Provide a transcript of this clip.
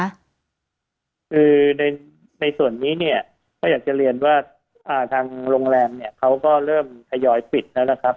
คือในส่วนนี้เนี่ยก็อยากจะเรียนว่าทางโรงแรมเนี่ยเขาก็เริ่มทยอยปิดแล้วนะครับ